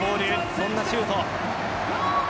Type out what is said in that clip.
そんなシュート。